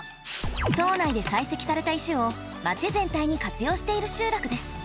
島内で採石された石を町全体に活用している集落です。